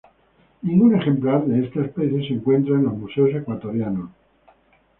Ningún ejemplar de esta especie se encuentra en los museos ecuatorianos.